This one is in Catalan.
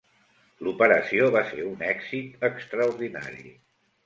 L'operació va ser un èxit extraordinari.